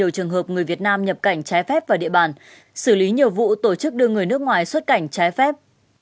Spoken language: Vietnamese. trường hợp người việt nam nhập cảnh trái phép vào địa bàn xử lý nhiều vụ tổ chức đưa người nước ngoài xuất cảnh trái phép